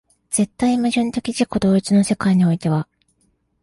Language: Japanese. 絶対矛盾的自己同一の世界においては、